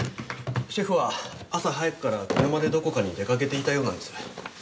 シェフは朝早くから車でどこかに出かけていたようなんです。